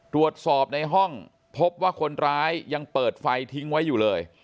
ตรวจสอบในห้องพบว่าคนร้ายยังเปิดไฟทิ้งไว้อยู่เลย